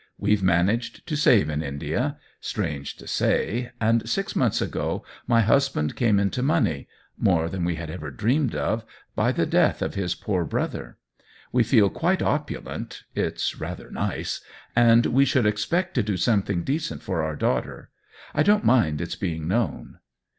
We've managed to save in India, strange to 6 THE WHEEL OF TIME say, and six months ago my husband came into money (more than we had ever dreamed of) by the death of his poor brother. We feel quite opulent (it's rather nice !)', and we should expect to do something decent for our daughter. I don't mind it's being known."